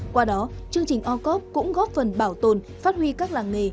qua đó chương trình orcop cũng góp phần bảo tồn phát huy các làng nghề